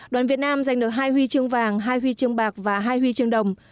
đoàn việt nam giành được hai huy chương vàng hai huy chương bạc và hai huy chương đồng